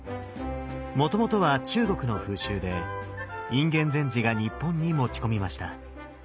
もともとは中国の風習で隠元禅師が日本に持ち込みました。